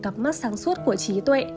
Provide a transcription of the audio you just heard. cặp mắt sáng suốt của trí tuệ